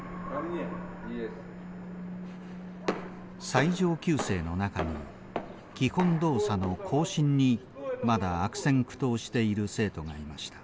最上級生の中に基本動作の行進にまだ悪戦苦闘している生徒がいました。